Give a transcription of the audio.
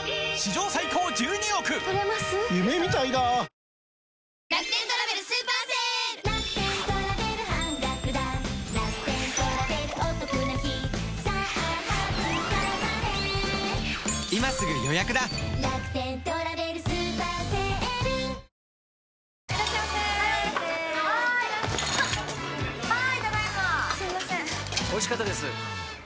おいしかったです